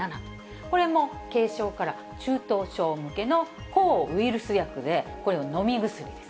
これも軽症から中等症向けの抗ウイルス薬で、これは飲み薬です。